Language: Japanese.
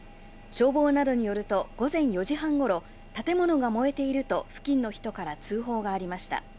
消防などによると午前４時半頃、建物が燃えていると付近の人から通報がありました。